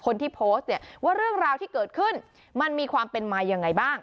คนที่โพสต์เนี่ยว่าเรื่องราวที่เกิดขึ้นมันมีความเป็นมายังไงบ้าง